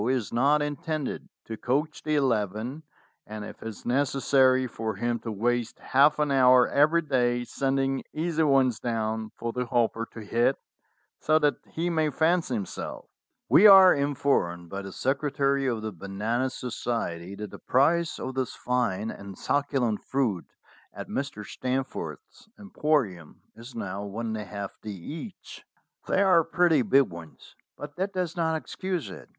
is not intended to coach the eleven, and if it is necessary for him to waste half an hour every day sending easy ones down for the Hopper to hit, so that he may fancy himself. 232 STORIES WITHOUT TEARS "We are informed by the Secretary of the Banana Society that the price of this fine and succulent fruit at Mr. Stanforth's emporium is now i^d. each. They are pretty big ones, but that does not excuse it.